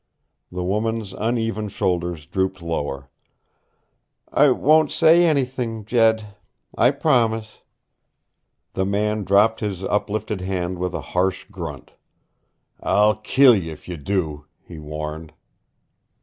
The woman's uneven shoulders drooped lower. "I won't say ennything, Jed. I promise." The man dropped his uplifted hand with a harsh grunt. "I'll kill y' if you do," he warned.